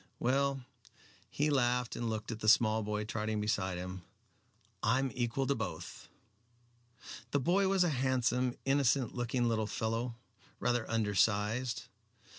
Well" he laughed and looked at the small boy trotting beside him "I am equal to both." The boy was a handsome, innocent looking little fellow, rather undersized.